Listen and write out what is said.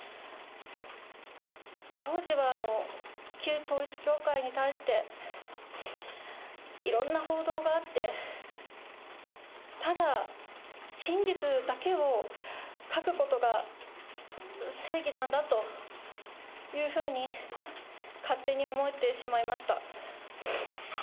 当時は旧統一教会に対して、いろんな報道があって、ただ真実だけを書くことが正義なんだというふうに、勝手に思ってしまいました。